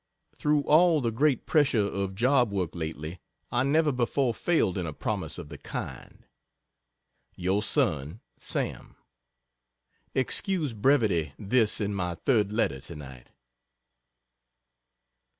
Through all the great pressure of job work lately, I never before failed in a promise of the kind. Your Son SAM Excuse brevity this is my 3rd letter to night.